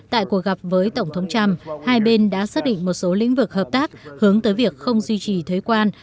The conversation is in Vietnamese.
tại cuộc gặp với tổng thống trump hai bên đã xác định một số lĩnh vực hợp tác hướng tới việc không duy trì thuế quan